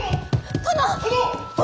殿！